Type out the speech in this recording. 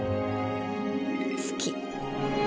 好き。